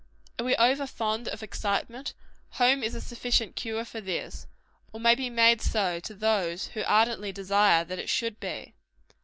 Are we over fond of excitement? Home is a sufficient cure for this or may be made so to those who ardently desire that it should be.